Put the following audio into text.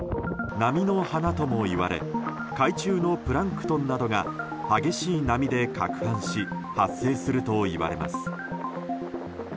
波の花ともいわれ海中のプランクトンなどが激しい波で、かくはんし発生するといわれます。